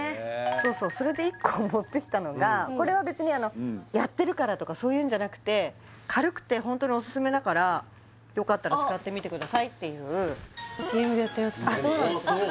そうそうそれで一個持ってきたのがこれは別にやってるからとかそういうんじゃなくて軽くてホントにオススメだからよかったら使ってみてくださいっていうＣＭでやってるやつだあっそうなんです